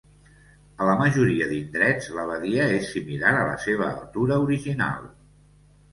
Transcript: A la majoria d'indrets, l'abadia és similar a la seva altura original.